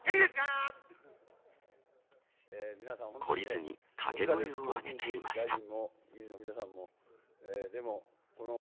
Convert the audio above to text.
懲りずに掛け声を上げていました。